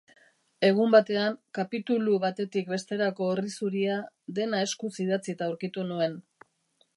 Egun batean, kapitulu batetik besterako orri zuria dena eskuz idatzita aurkitu nuen.